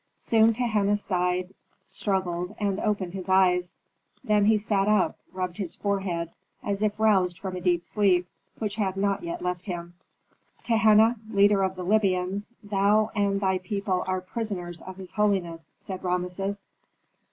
Soon Tehenna sighed, struggled, and opened his eyes; then he sat up, rubbed his forehead, as if roused from a deep sleep, which had not yet left him. "Tehenna, leader of the Libyans, thou and thy people are prisoners of his holiness," said Rameses.